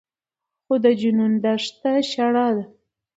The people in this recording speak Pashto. خو د جنون دښته شړه ده